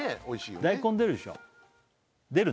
おいしいよね